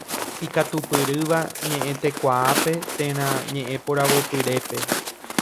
Ikatupyrýva ñeʼẽtekuaápe térã ñeʼẽporavopyrépe.